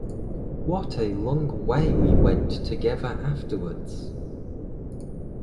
What a long way we went together afterwards.